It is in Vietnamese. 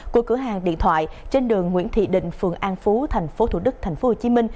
của cửa hàng điện thoại trên đường nguyễn thị định phường an phú tp thủ đức tp hcm